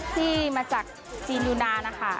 ที่มาจากจีนยูนานนะคะ